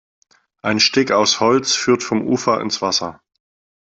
Ein Steg aus Holz führt vom Ufer ins Wasser.